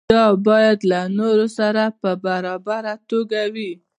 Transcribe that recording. دا باید له نورو سره په برابره توګه وي.